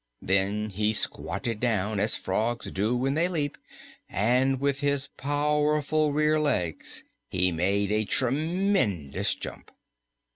Then he squatted down, as frogs do when they leap, and with his powerful rear legs he made a tremendous jump.